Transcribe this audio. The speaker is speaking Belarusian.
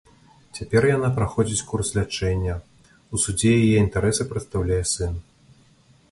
Цяпер яна праходзіць курс лячэння, у судзе яе інтарэсы прадстаўляе сын.